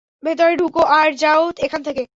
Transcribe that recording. ভেতরে ঢুকো আর যাও এখান থেকে।